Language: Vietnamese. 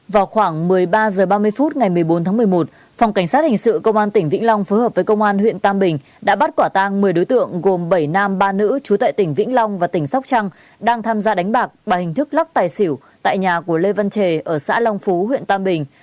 vào khoảng một mươi ba h ba mươi phút ngày một mươi bốn tháng một mươi một phòng cảnh sát hình sự công an tỉnh vĩnh long phối hợp với công an huyện tam bình đã bắt quả tang một mươi đối tượng gồm bảy nam ba nữ trú tại tỉnh vĩnh long và tỉnh sóc trăng đang tham gia đánh bạc bằng hình thức lắc tài xỉu tại nhà của lê văn trề ở xã long phú huyện tam bình